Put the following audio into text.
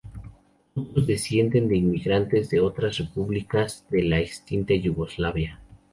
Otros descienden de inmigrantes de otras repúblicas de la extinta Yugoslavia.